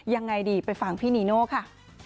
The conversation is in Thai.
ยังไงดีไปฟังพี่นีโน่ค่ะ